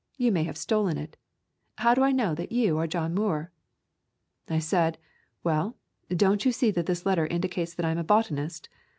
You may have stolen it. How do I know that you are John Muir?" I said, "Well, don't you see that this letter indicates that I am a botanist?